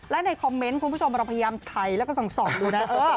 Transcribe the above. และในคอมเมนต์คุณผู้ชมเราพยายามถ่ายแล้วก็ส่องดูนะ